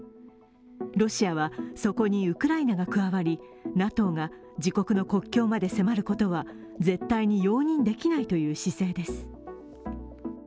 ロシアは、そこにウクライナが加わり、ＮＡＴＯが自国の国境まで迫ることは絶対に容認できないという姿勢です。